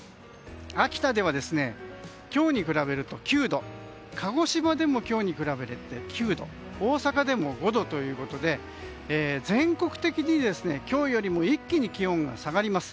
秋田では今日に比べると９度鹿児島でも今日に比べて９度大阪でも５度ということで全国的に今日よりも一気に気温が下がります。